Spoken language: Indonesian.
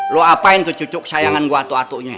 lo apain tuh cucuk sayangan gua atu atunya